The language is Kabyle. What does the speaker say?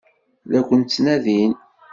La ken-ttnadin.